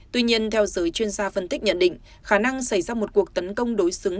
tuy nhiên theo giới chuyên gia phân tích nhận định khả năng xảy ra một cuộc tấn công đối xứng